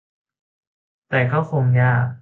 แต่ก็คงยาก